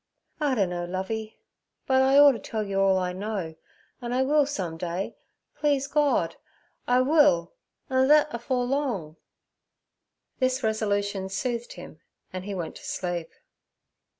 'I dunno, Lovey, but I oughter tell yer all I know, an' I will some day, please God, I will, an' thet afore long.' This resolution soothed him, and he went to sleep.